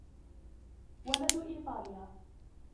ولد إيطاليا.